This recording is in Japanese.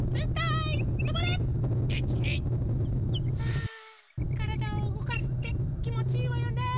あからだをうごかすってきもちいいわよね。